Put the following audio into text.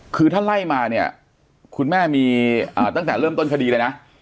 คือถ้าไล่มาเนี่ยคุณแม่มีตั้งแต่เริ่มต้นคดีเลยนะ